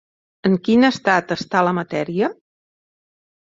En quin estat està la matèria?